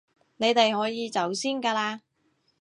你哋可以走先㗎喇